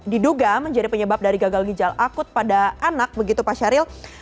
diduga menjadi penyebab dari gagal ginjal akut pada anak begitu pak syahril